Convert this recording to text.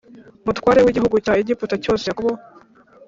mutware w igihugu cya egiputa cyose yakobo